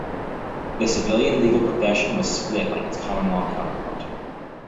The civilian legal profession was split like its common law counterpart.